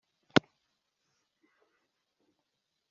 umenyesha umugaragu wawe uko bimeze